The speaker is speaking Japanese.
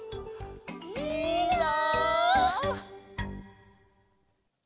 いいなあ！